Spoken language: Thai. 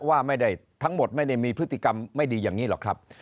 ว่าไม่ได้ทั้งหมดไม่ได้มีพฤติกรรมไม่ดีอย่างนี้หรอกครับ